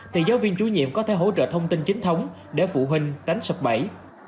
thì giáo viên chú nhiệm có thể hỗ trợ thông tin chính thống để phụ huynh đánh sập bẫy